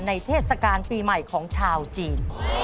เทศกาลปีใหม่ของชาวจีน